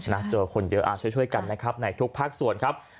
เจอคนเยอะช่วยกันนะครับในทุกภาคส่วนครับ